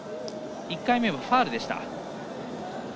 １回目はファウルでした。